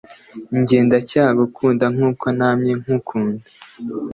Jye ndacyagukunda nkuko namye nkukunda